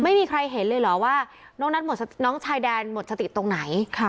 ไม่มีใครเห็นเลยเหรอว่าน้องนัทน้องชายแดนหมดสติตรงไหน